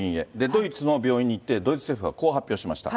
ドイツの病院に行って、ドイツ政府がこう発表しました。